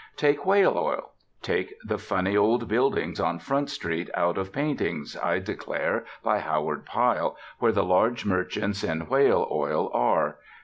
Take whale oil. Take the funny old buildings on Front Street, out of paintings, I declare, by Howard Pyle, where the large merchants in whale oil are.